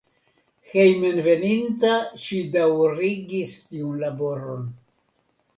Hejmenveninta ŝi daŭrigis tiun laboron.